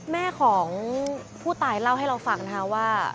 แม่ของผู้ตายเล่าให้เราฟังนะคะว่า